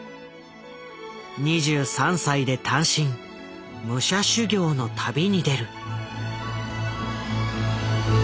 ２３歳で単身武者修行の旅に出る。